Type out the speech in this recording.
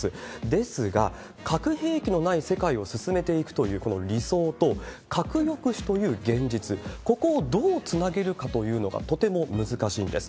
ですが、核兵器のない世界を進めていくという、この理想と、核抑止という現実、ここをどうつなげるかというのがとても難しいんです。